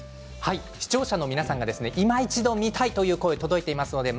視聴者の皆さんがいま一度見たいという声が届いています。